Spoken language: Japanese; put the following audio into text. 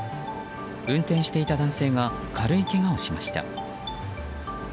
運転していた男性が軽いけがをしました。